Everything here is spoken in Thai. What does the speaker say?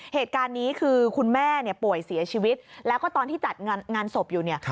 เหตุการณ์นี้คือคุณแม่ป่วยเสียชีวิตแล้วก็ตอนที่จัดงานศพอยู่เนี่ย